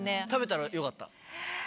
食べたら、よかった？